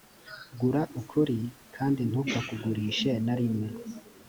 gura ukuri kandi ntukakugurishe ntarimwe.